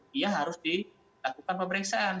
dia harus dilakukan pemeriksaan